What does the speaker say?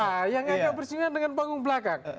nah yang ada persinggungan dengan panggung belakang